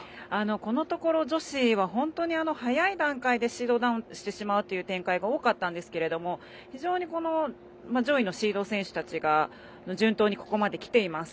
このところ女子は本当に早い段階でシードダウンしてしまう展開が多かったんですが非常に上位のシード選手たちが順当にここまで来ています。